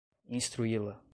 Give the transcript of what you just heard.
instruí-la